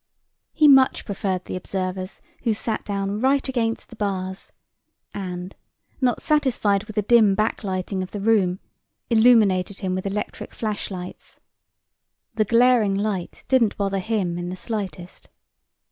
He much preferred the observers who sat down right against the bars and, not satisfied with the dim backlighting of the room, illuminated him with electric flashlights. The glaring light didn't bother him in the slightest.